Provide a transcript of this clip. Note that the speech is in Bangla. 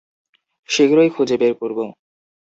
শীঘ্রই খুঁজে বের করবো।